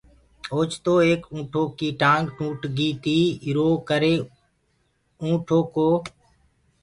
اوچتو ايڪ اُنٚٺو ڪيٚ ٽآنٚگ ٽوٽ گي تيٚ ايرو ڪري ُِانٚٺ ڪو